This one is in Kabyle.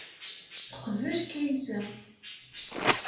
Teqbel Kaysa.